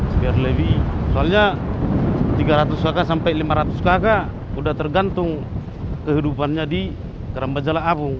sebiar lebih soalnya tiga ratus kakak sampai lima ratus kakak udah tergantung kehidupannya di keramba jala apung